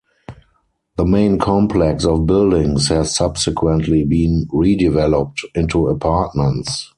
The main complex of buildings has subsequently been redeveloped into apartments.